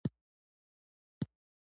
ميوند د کندهار ولايت یوه ولسوالۍ ده.